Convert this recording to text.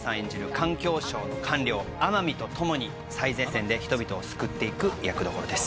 環境省の官僚天海と共に最前線で人々を救っていく役どころです